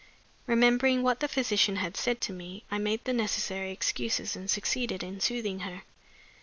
Remembering what the physician had said to me, I made the necessary excuses and succeeded in soothing her.